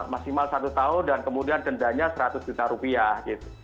maksimal satu tahun dan kemudian dendanya seratus juta rupiah gitu